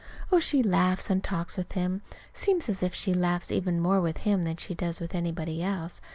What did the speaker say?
Oh, she laughs and talks with him seems as if she laughs even more with him than she does with anybody else.